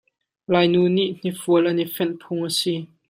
Lai nu nih hnifual an i fenh phung a si.